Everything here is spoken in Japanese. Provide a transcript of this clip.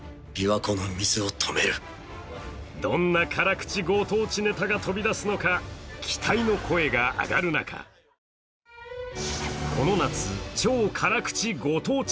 どんな辛口ご当地ネタが飛び出すのか期待の声が上がる中、この夏、超辛口ご当地